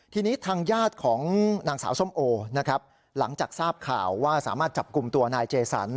ทีนี้ทางญาติของนางสาวส้มโอนะครับหลังจากทราบข่าวว่าสามารถจับกลุ่มตัวนายเจสัน